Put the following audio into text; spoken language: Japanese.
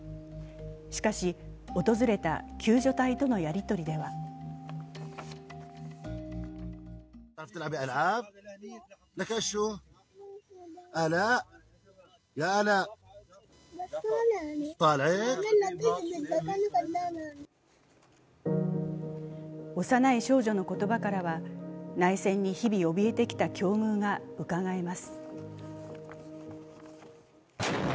しかし、訪れた救助隊とのやり取りでは幼い少女の言葉からは内戦に日々おびえてきた境遇がうかがえます。